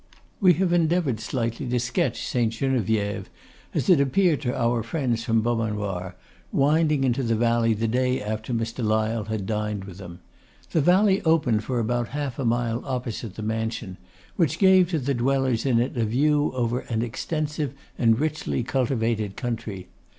We have endeavoured slightly to sketch St. Geneviève as it appeared to our friends from Beaumanoir, winding into the valley the day after Mr. Lyle had dined with them. The valley opened for about half a mile opposite the mansion, which gave to the dwellers in it a view over an extensive and richly cultivated country.